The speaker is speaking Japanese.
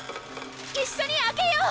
一緒に開けよう！